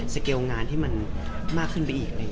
เกลงานให้มันมากขึ้นไปอีก